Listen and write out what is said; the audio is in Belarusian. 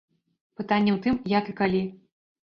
Пытанне ў тым, як і калі.